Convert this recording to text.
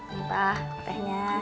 ini pak kopenya